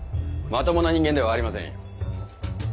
まともな人間ではありませんよ。